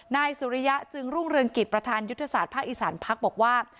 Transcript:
นายสุริยะจึงรุ่งเรืองกิจประธานยุทธศาสตร์ภาคอีสานพักบอกว่า